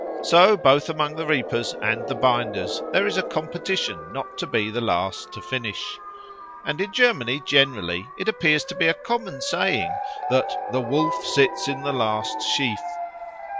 So both among the reapers and the binders there is a competition not to be the last to finish. And in Germany generally it appears to be a common saying that "the Wolf sits in the last sheaf."